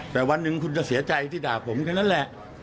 แต่วันหนึ่งคุณจะเสียใจที่ด่าผมแค่นั้นแหละ